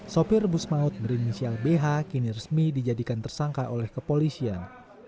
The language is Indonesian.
sopir bus maut berinisial bh kini resmi dijadikan tersangka oleh kepolisian